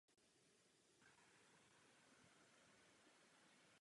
Za první světové války se zapojil do Židovské legie.